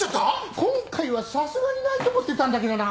今回はさすがにないと思ってたんだけどな。